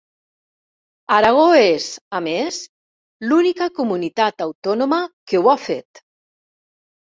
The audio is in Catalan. Aragó és, a més, l'única Comunitat Autònoma que ho ha fet.